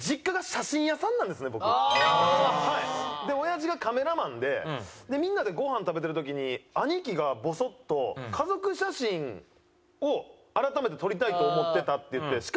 でおやじがカメラマンでみんなでごはん食べてる時に兄貴がボソッと「家族写真を改めて撮りたいと思ってた」って言って。